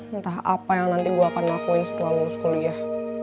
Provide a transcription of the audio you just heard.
entah apa yang nanti gue akan lakuin setelah lulus kuliah